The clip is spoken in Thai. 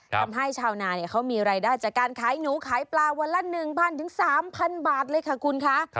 ชาวนาเขามีรายได้จากการขายหนูขายปลาวันละ๑๐๐๓๐๐บาทเลยค่ะคุณคะ